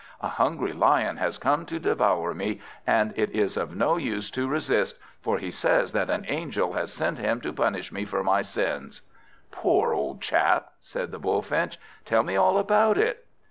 A hungry Lion has come to devour me, and it is of no use to resist; for he says that an angel has sent him to punish me for my sins." "Poor old chap!" said the Bullfinch, "tell me all about it."